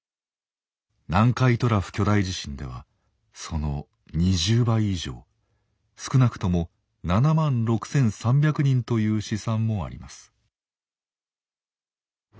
南海トラフ巨大地震ではその２０倍以上少なくとも７万６，３００人という試算もあります。